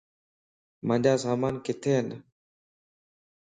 مانجا سامان ڪٿي ين؟